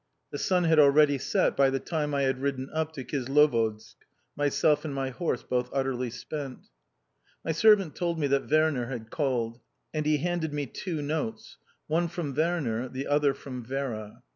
The sun had already set by the time I had ridden up to Kislovodsk myself and my horse both utterly spent! My servant told me that Werner had called, and he handed me two notes: one from Werner, the other... from Vera.